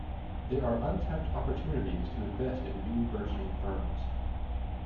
There are untapped opportunities to invest in new burgeoning firms.